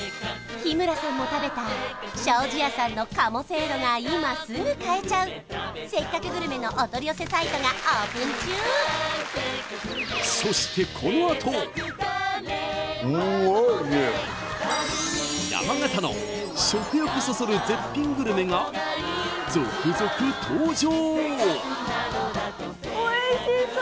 日村さんも食べた庄司屋さんの鴨せいろが今すぐ買えちゃう「せっかくグルメ！！」のお取り寄せサイトがオープン中そして山形の食欲そそる絶品グルメが続々登場！